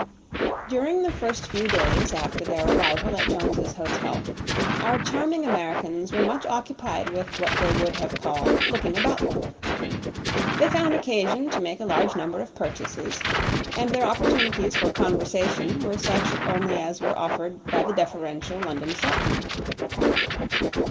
During the first few days after their arrival at Jones's Hotel our charming Americans were much occupied with what they would have called looking about them. They found occasion to make a large number of purchases, and their opportunities for conversation were such only as were offered by the deferential London shopmen.